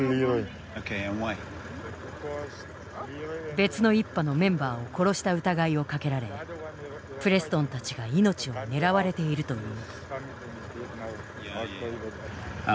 別の一派のメンバーを殺した疑いをかけられプレストンたちが命を狙われているという。